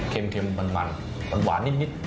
เค็มมันหวานนิด